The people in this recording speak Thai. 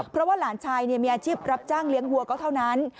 เพราะว่าหลานชายมีอาชีพรับจ้างเลี้ยงวัวก็เท่านั้น